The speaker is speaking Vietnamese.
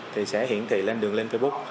thì sẽ hiển thị lên đường link facebook